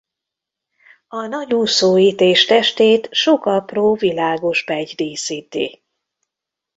A nagy úszóit és testét sok apró világos petty díszíti.